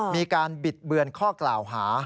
มีการบิดเบือนข้อกล่าวหา